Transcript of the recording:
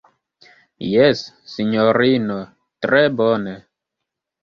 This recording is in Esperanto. Jes, sinjorino, tre bone.